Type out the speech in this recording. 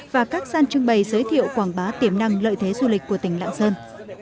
và các gian trưng bày giới thiệu quảng bá tiềm năng lợi thế du lịch của tỉnh lạng sơn